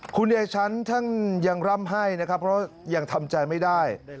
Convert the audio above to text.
คุณยายชั้นท่านยังร่ำให้นะครับเพราะยังทำใจไม่ได้